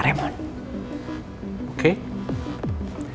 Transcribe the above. saya tidak tahu maksudnya